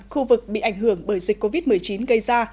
khu vực bị ảnh hưởng bởi dịch covid một mươi chín gây ra